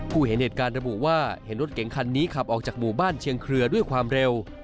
เห็นเหตุการณ์ระบุว่าเห็นรถเก๋งคันนี้ขับออกจากหมู่บ้านเชียงเครือด้วยความเร็ว